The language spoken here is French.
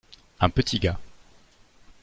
Un petit gars.